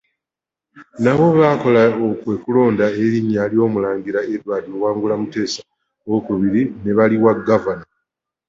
Nabo kye baakola kwe kulonda erinnya ly’Omulangira Edward Luwangula Muteesa II ne baliwa Gavana.